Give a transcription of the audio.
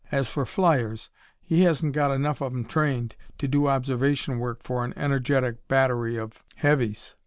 As for flyers, he hasn't got enough of 'em, trained, to do observation work for an energetic battery of heavies.